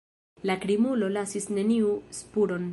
La krimulo lasis neniun spuron.